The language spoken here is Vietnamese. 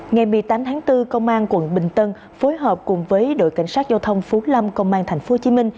ngày một mươi tám tháng bốn công an quận bình tân phối hợp cùng với đội cảnh sát giao thông phú lâm công an tp hcm